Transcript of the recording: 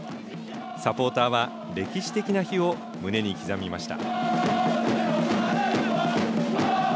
サポーターは歴史的な日を胸に刻みました。